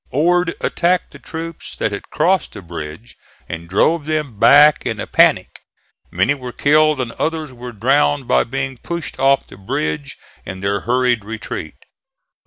Ord attacked the troops that had crossed the bridge and drove them back in a panic. Many were killed, and others were drowned by being pushed off the bridge in their hurried retreat.